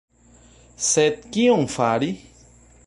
Sed kion fari?